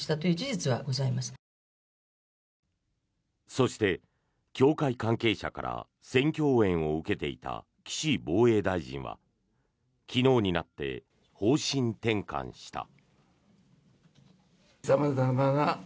そして教会関係者から選挙応援を受けていた岸防衛大臣は昨日になって、方針転換した。